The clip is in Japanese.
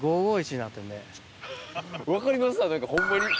分かります何かホンマに。